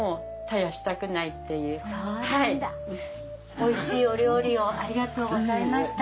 おいしいお料理をありがとうございました。